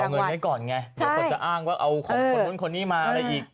เอาเงินให้ก่อนไงอ่ะก่อนจะอ้างว่าเอาของคนหนึ่งมาอะไรอีก